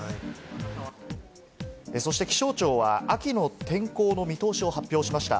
そして気象庁は秋の天候の見通しを発表しました。